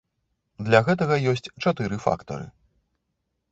Для гэтага ёсць чатыры фактары.